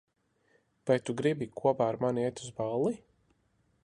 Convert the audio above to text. Vai tu gribi kopā ar mani iet uz balli?